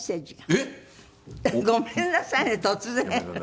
えっ？ごめんなさいね突然。